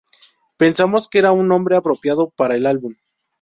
Pensamos que era un nombre apropiado para el álbum".